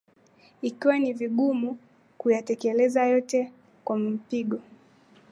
ikiwa ni vigumu kuyatekeleza yote kwa mpigo